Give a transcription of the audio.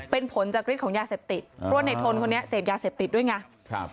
เป็นผลจากฤทธิของยาเสพติดเพราะว่าในทนคนนี้เสพยาเสพติดด้วยไงครับ